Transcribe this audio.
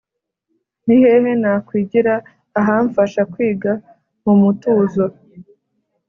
ni hehe nakwigira ahamfasha kwiga mu mutuzo?